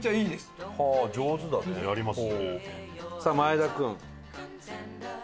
さあ前田君。